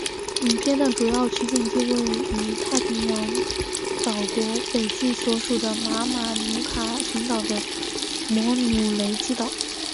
影片的主要取景地位于太平洋岛国斐济所属的马马努卡群岛的摩努雷基岛。